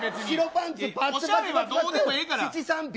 おしゃれはどうでもええから。